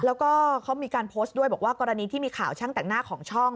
แล้วก็เขามีการโพสต์ด้วยบอกว่ากรณีที่มีข่าวช่างแต่งหน้าของช่อง